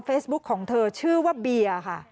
เฟซบุ๊กของเธอชื่อว่าเบียร์